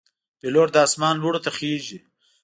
پیلوټ د آسمان لوړو ته خېژي.